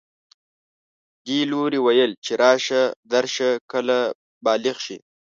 دې لوري ویل چې راشه درشه کله بالغ شي